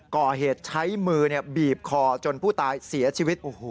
ก่อเหตุใช้มือบีบคอจนผู้ตายเสียชีวิต